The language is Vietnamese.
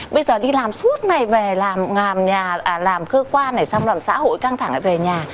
bây giờ đi làm suốt này về làm nhà làm cơ quan này xong làm xã hội căng thẳng lại về nhà